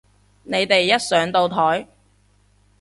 你哋一上到台